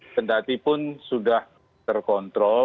pendati pun sudah terkontrol